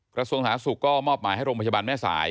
กระทรวงสาธารณสุขก็มอบหมายให้โรงพยาบาลแม่สาย